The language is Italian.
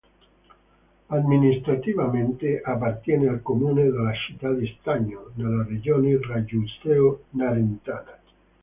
Amministrativamente appartiene al comune della città di Stagno, nella regione raguseo-narentana.